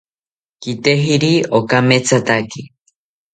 Kitejiri okamethataki